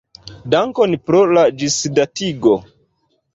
Dankon pro la ĝisdatigo.